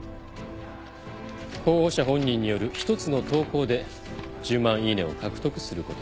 候補者本人による１つの投稿で１０万イイネを獲得すること。